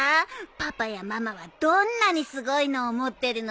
パパやママはどんなにすごいのを持ってるのかしら。